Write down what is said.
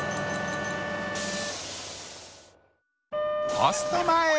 ポストまえ！